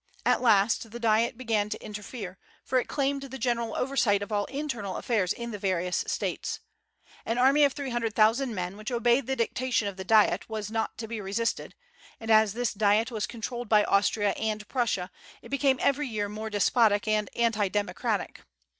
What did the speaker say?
At last the Diet began to interfere, for it claimed the general oversight of all internal affairs in the various States. An army of three hundred thousand men which obeyed the dictation of the Diet was not to be resisted; and as this Diet was controlled by Austria and Prussia, it became every year more despotic and anti democratic.